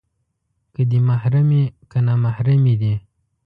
که دې محرمې، که نامحرمې دي